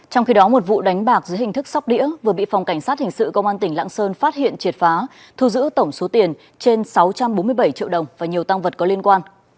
trong khi đó một vụ đánh bạc dưới hình thức sóc đĩa vừa bị phòng cảnh sát hình sự công an tỉnh lạng sơn phát hiện triệt phá thu giữ tổng số tiền trên sáu trăm bốn mươi bảy triệu đồng và nhiều tăng vật có liên quan